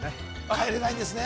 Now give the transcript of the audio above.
変えれないんですね